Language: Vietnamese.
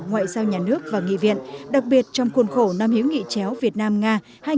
ngoại giao nhà nước và nghị viện đặc biệt trong khuôn khổ năm hữu nghị chéo việt nam nga hai nghìn một mươi chín